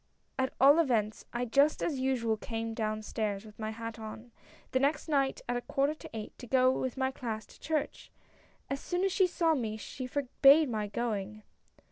At all events I, just as usual, came down stairs with my hat on, the next night at a quarter to eight, to go with my class to church. As soon as she saw me she forbade my going."